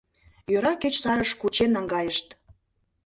Йӧра кеч сарыш кучен наҥгайышт.